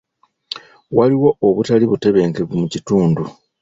Waliwo obutali butebenkevu mu kitundu.